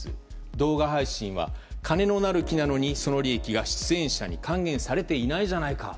動画配信は金のなる木なのにその利益が出演者に還元されていないじゃないか。